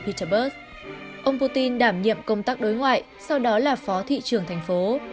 hitterberg ông putin đảm nhiệm công tác đối ngoại sau đó là phó thị trưởng thành phố